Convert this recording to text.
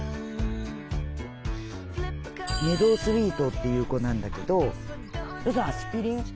メドウスイートっていう子なんだけど要するにアスピリン。